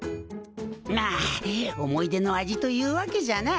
まあ思い出の味というわけじゃな。